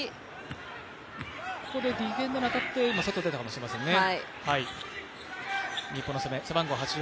ディフェンダーに当たって、外に出たかもしれませんね。